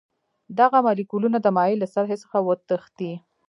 دغه مالیکولونه د مایع له سطحې څخه وتښتي.